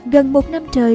gần một năm trời